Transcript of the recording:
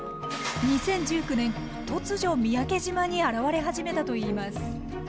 ２０１９年突如三宅島に現れ始めたといいます。